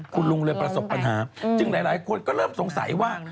คุณลุงเลยประสบปัญหาจึงหลายคนก็เริ่มสงสัยว่า